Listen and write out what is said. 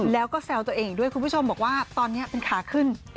แล้วก็แซวตัวเองอีกด้วยคุณผู้ชมบอกว่าตอนนี้เป็นขาขึ้น